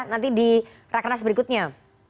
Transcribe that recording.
nanti di rakernas berikutnya